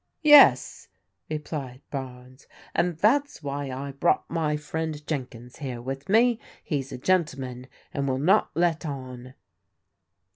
" Yes," replied Bames, " and that's why I brought my friend Jenkins here with me; he's a gentleman, and will not let on."